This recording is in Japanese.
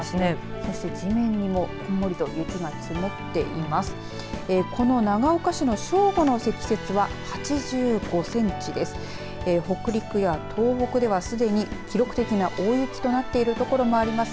そして地面にもこんもり雪が積もっています。